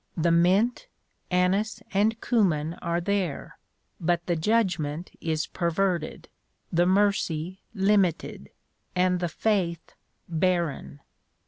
The 'mint, anise, and cummin' are there; but the 'judgment' is perverted, the 'mercy' limited, and the 'faith' barren.